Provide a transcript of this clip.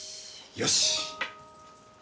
よし。